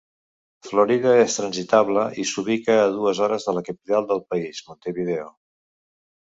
Florida és transitable i s'ubica a dues hores de la capital del país, Montevideo.